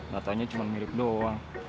wali sinar cuma mirip doang